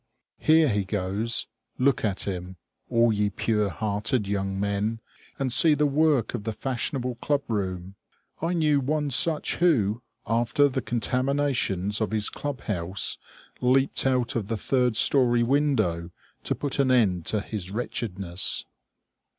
Here he goes! Look at him, all ye pure hearted young men, and see the work of the fashionable club room. I knew one such who, after the contaminations of his club house, leaped out of the third story window to put an end to his wretchedness.